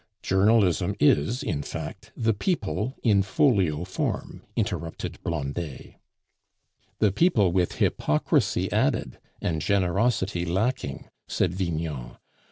"Journalism is, in fact, the People in folio form," interrupted Blondet. "The people with hypocrisy added and generosity lacking," said Vignon.